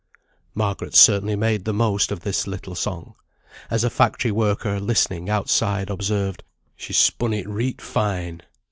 '" Margaret certainly made the most of this little song. As a factory worker, listening outside, observed, "She spun it reet fine!"